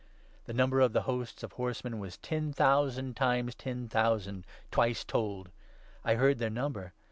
The number of the 16 hosts of horsemen was ten thousand times ten thousand, twice told ; I heard their number.